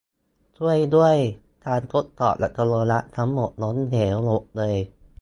ช่วยด้วย การทดสอบอัตโนมัติทั้งหมดล้มเหลวหมดเลย